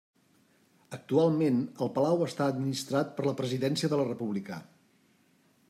Actualment, el Palau està administrat per la Presidència de la República.